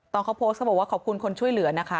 ตอนเขาโพสต์เขาบอกว่าขอบคุณคนช่วยเหลือนะคะ